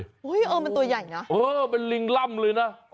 เออมันตัวใหญ่นะเออเป็นลิงล่ำเลยนะ